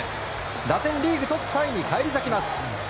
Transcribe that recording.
打点リーグトップタイに返り咲きます。